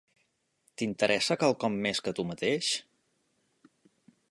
T'interessa quelcom més que tu mateix?